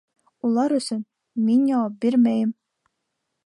Улар өсөн мин... яуап бирмәйем!